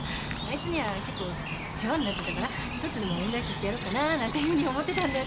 いつには結構世話になってたからちょっとでも恩返ししてやろうかななんていうふうに思ってたんで。